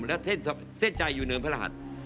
และเส้นใจอยู่เนินพระรหัส